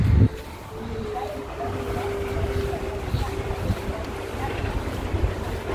Militarren erabileraz gain nekazaritza ere erabilpenak ditu.